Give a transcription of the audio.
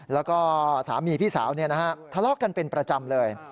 แล้วก็สามีพี่สาวทะเลาะกันเป็นประจำเลย